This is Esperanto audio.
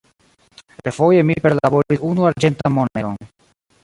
Refoje mi perlaboris unu arĝentan moneron.